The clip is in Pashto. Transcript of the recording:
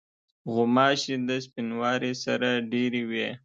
غوماشې د سپینواري سره ډېری وي.